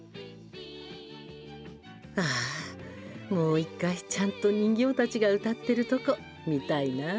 「ああ、もう１回ちゃんと人形たちが歌ってるとこ見たいなあ。